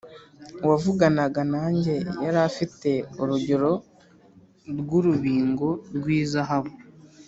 Uwavuganaga nanjye yari afite urugero rw’urubingo rw’izahabu,